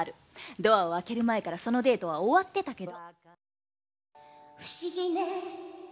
ドアを開ける前からそのデートは終わっていたけど。